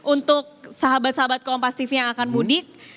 untuk sahabat sahabat kompas tv yang akan mudik